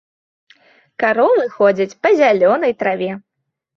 Каровы ходзяць па зялёнай траве.